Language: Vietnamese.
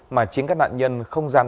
mà chính các nạn nhân không giải quyết